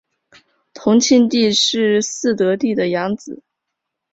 同庆帝是嗣德帝的养子。